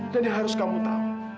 dan yang harus kamu tahu